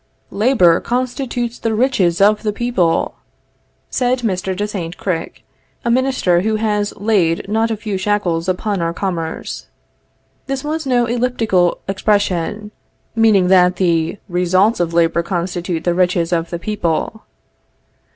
"Labor constitutes the riches of the people," said Mr. de Saint Cricq, a minister who has laid not a few shackles upon our commerce. This was no elliptical expression, meaning that the "results of labor constitute the riches of the people."